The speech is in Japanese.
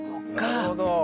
なるほど。